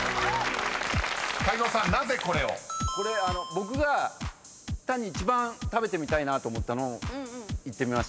僕が単に一番食べてみたいなと思ったのをいってみました。